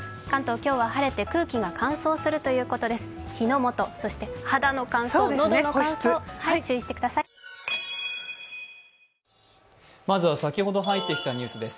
今日は晴れて、空気が乾燥するということです。